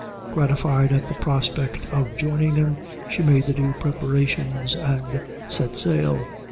Gratified at the prospect of joining them, she made the due preparations, and set sail.